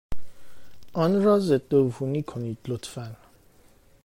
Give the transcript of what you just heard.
آن را ضدعفونی کنید، لطفا.